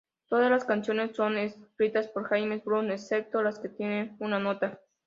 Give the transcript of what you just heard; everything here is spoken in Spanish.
Todas las canciones son escritas por James Blunt, excepto las que tienen una nota.